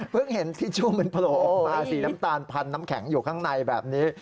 เห็นทิชชูมันโผล่ออกมาสีน้ำตาลพันน้ำแข็งอยู่ข้างในแบบนี้